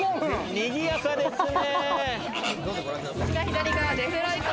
にぎやかですね。